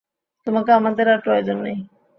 তোমাকে আমাদের আর প্রয়োজন নেই।